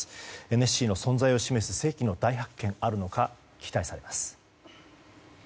ネッシーの存在を示す世紀の大発見があるのか期待されます。